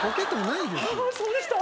あそうでした。